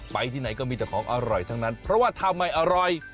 ที่ไหนก็มีแต่ของอร่อยทั้งนั้นเพราะว่าถ้าไม่อร่อย